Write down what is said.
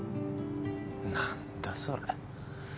何だそれ。